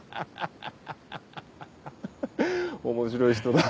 面白い人だ。